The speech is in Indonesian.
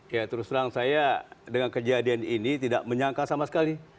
ya terus terang saya dengan kejadian ini tidak menyangka sama sekali